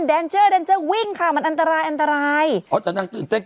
แดนเจอร์แดนเจอร์วิ่งค่ะมันอันตรายอันตรายอ๋อแต่นางตื่นเต้น